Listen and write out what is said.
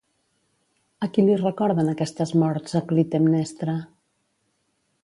A qui li recorden aquestes morts a Clitemnestra?